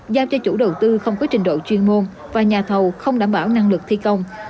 giao cho chủ đầu tư không có trình độ chuyên môn và nhà thầu không đảm bảo năng lực thi công